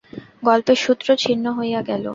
গল্পের সূত্র ছিন্ন হইয়া গেল।